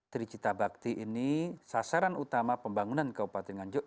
tri cita bakti ini sasaran utama pembangunan kabupaten nganjung